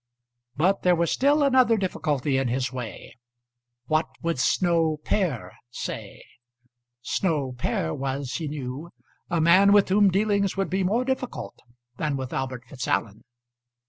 But there was still another difficulty in his way. What would Snow père say? Snow père was, he knew, a man with whom dealings would be more difficult than with Albert Fitzallen.